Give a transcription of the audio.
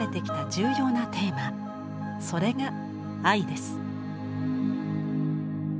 それが「愛」です。